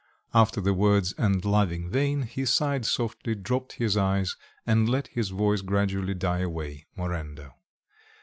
After the words "and longing vain," he sighed softly, dropped his eyes and let his voice gradually die away, morendo.